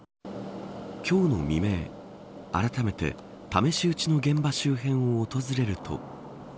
今日の未明、あらためて試し撃ちの現場周辺を訪れると。